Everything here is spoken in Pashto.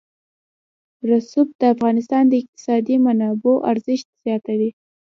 رسوب د افغانستان د اقتصادي منابعو ارزښت زیاتوي.